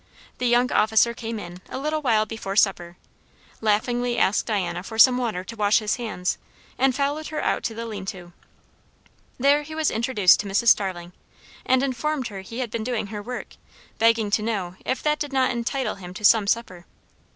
The young officer came in, a little while before supper; laughingly asked Diana for some water to wash his hands; and followed her out to the lean to. There he was introduced to Mrs. Starling, and informed her he had been doing her work, begging to know if that did not entitle him to some supper.